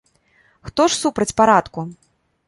Хто ж супраць парадку?!